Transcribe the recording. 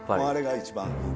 あれが一番。